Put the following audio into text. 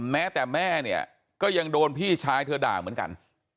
แม้แต่แม่เนี่ยก็ยังโดนพี่ชายเธอด่าเหมือนกัน